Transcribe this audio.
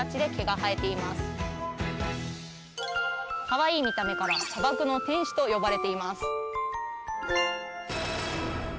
かわいい見た目から砂漠の天使とよばれています